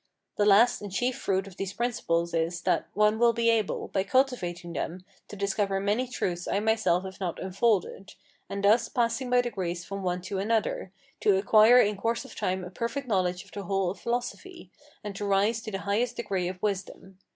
The last and chief fruit of these Principles is, that one will be able, by cultivating them, to discover many truths I myself have not unfolded, and thus passing by degrees from one to another, to acquire in course of time a perfect knowledge of the whole of philosophy, and to rise to the highest degree of wisdom.